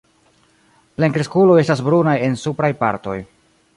Plenkreskuloj estas brunaj en supraj partoj.